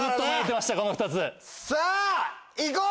さぁいこう！